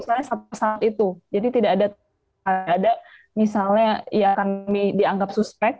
misalnya satu pesawat itu jadi tidak ada misalnya yang kami dianggap suspek